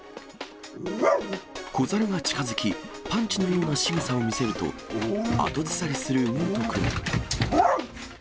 子猿が近づき、パンチのようなしぐさを見せると、後ずさりするムート君。